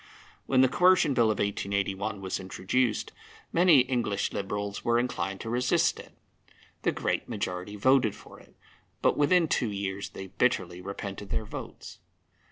When the Coercion Bill of 1881 was introduced, many English Liberals were inclined to resist it. The great majority voted for it, but within two years they bitterly repented their votes.